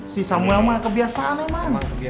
si samuel mah kebiasaan emang